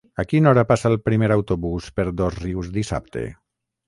A quina hora passa el primer autobús per Dosrius dissabte?